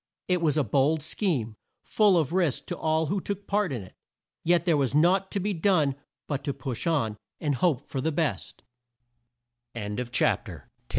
It was a bold scheme, full of risk to all who took part in it, yet there was naught to be done but to push on, and hope for the best.